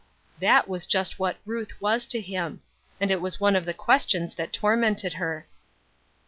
That was just what Ruth was to him; and it was one of the questions that tormented her.